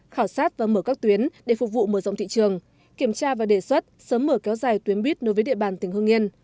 khảo sát và mở các tuyến để phục vụ mở rộng thị trường kiểm tra và đề xuất sớm mở kéo dài tuyến buýt nối với địa bàn tỉnh hương yên